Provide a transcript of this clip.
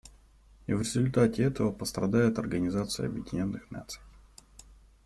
И в результате этого пострадает Организация Объединенных Наций.